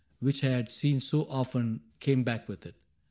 Which I had seen so often, came back with it.